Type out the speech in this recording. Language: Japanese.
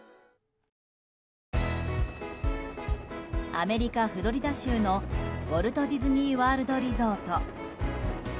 アメリカ・フロリダ州のウォルト・ディズニー・ワールド・リゾート。